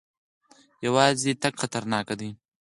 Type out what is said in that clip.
یوازې تګ خطرناک دی.